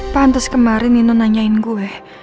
pantes kemarin nino nanyain gue